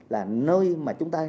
là nơi mà chúng ta